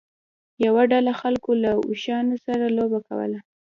یوه ډله خلکو له اوښانو سره لوبه کوله.